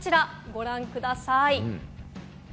ご覧ください。